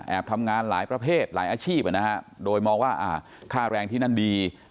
ทำงานหลายประเภทหลายอาชีพโดยมองว่าค่าแรงที่นั่นดี